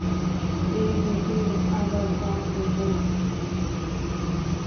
এ ঘটির আবার দাম নেব!